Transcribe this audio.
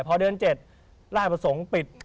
พอเดือน๗ราชประสงค์ปิด